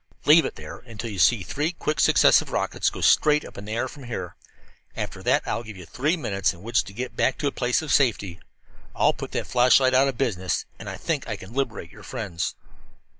Leave it there until you see three quick successive rockets go straight up in the air from here. After that I will give you three minutes in which to get back to a place of safety. I'll put that flashlight out of business, and I think I can liberate your friends."